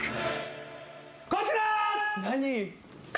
こちら！